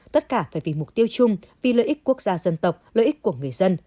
tất cả phải vì mục tiêu chung vì lợi ích quốc gia dân tộc lợi ích của người dân